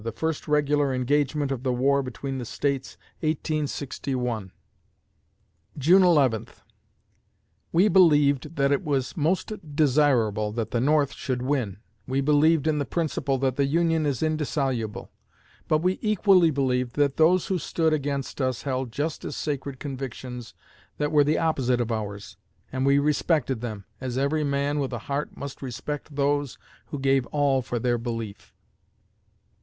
the first regular engagement of the War between the States, 1861_ June Eleventh We believed that it was most desirable that the North should win; we believed in the principle that the Union is indissoluble; but we equally believed that those who stood against us held just as sacred convictions that were the opposite of ours, and we respected them, as every man with a heart must respect those who gave all for their belief.